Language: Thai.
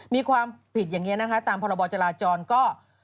มีความผิดอย่างนี้นะคะตามพรบจราจรก็